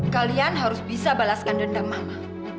kalian harus bisa balaskan dendam mama